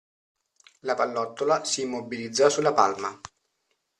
La pallottola s'immobilizzò sulla palma.